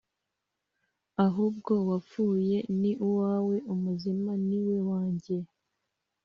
ahubwo uwapfuye ni uwawe, umuzima ni we wanjye